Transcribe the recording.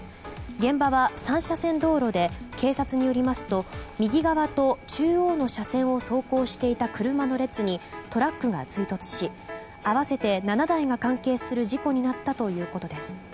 現場は３車線道路で警察によりますと右側と中央の車線を走行していた車の列にトラックが追突し合わせて７台が関係する事故になったということです。